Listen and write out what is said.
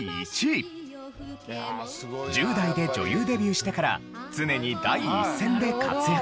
１０代で女優デビューしてから常に第一線で活躍。